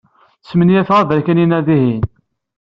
Smenyafeɣ aberkan-inna, dihin.